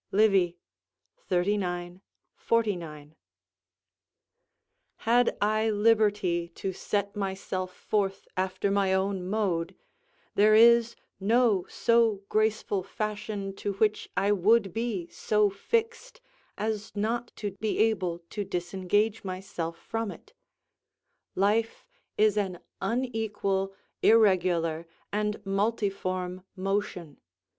Livy, xxxix. 49.] Had I liberty to set myself forth after my own mode, there is no so graceful fashion to which I would be so fixed as not to be able to disengage myself from it; life is an unequal, irregular and multiform motion.